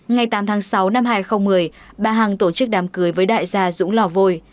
ngày tám tháng sáu năm hai nghìn một mươi bà hằng tổ chức đàm cưới với đại gia dũng lò vôi